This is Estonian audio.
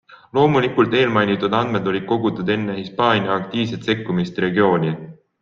Loomulikult eelmainitud andmed olid kogutud enne Hispaania aktiivset sekkumist regiooni.